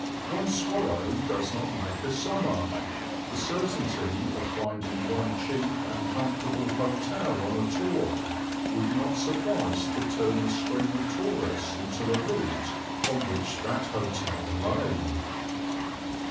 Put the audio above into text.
One swallow does not make a summer; the certainty of finding one cheap and comfortable hotel on a tour would not suffice to turn the stream of tourists into the route on which that hotel lay.